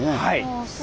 はい。